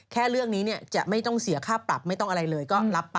แค่เรื่องนี้จะไม่ต้องเสียค่าปรับไม่ต้องอะไรเลยก็รับไป